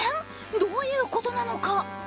どういうことなのか。